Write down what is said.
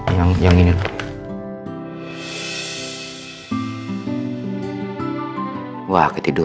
masih gak nah dan conna apa apa juga